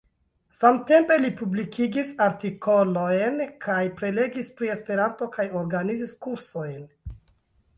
Samtempe li publikigis artikolojn kaj prelegis pri Esperanto kaj organizis kursojn.